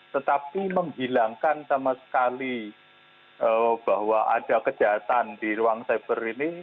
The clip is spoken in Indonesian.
tetapi menghilangkan sama sekali bahwa ada kejahatan di ruang cyber ini